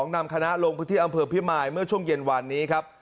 นำคณะลงพื้นที่อำเภอพิมายเมื่อช่วงเย็นวานนี้ครับ